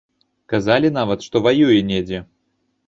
Казалі нават, што ваюе недзе.